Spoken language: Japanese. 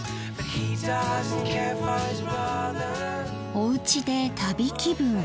おうちで旅気分。